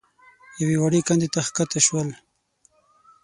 يوې وړې کندې ته کښته شول.